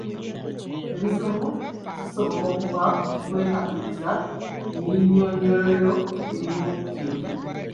Ebizibu era kisobola okuva mu kwekaliriza ennyinnyonnyolero eriwo ku kintu.